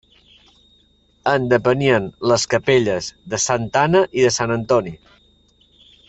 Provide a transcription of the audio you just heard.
En depenien les capelles de Santa Anna i de Sant Antoni.